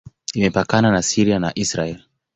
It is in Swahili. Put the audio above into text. Imepakana na Syria na Israel.